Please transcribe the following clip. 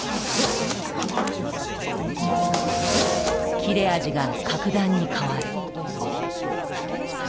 切れ味が格段に変わる。